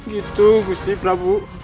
gitu gusti prabu